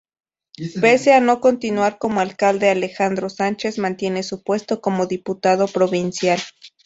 Pese a no continuar como alcalde, Alejandro Sánchez mantiene su puesto como diputado provincial.